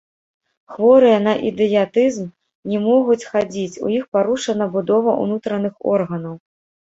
Хворыя на ідыятызм не могуць хадзіць, у іх парушана будова ўнутраных органаў.